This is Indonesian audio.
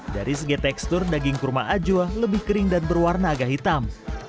dari segi tekstur daging kurma ajwa lebih kering dan berwarna agak hitam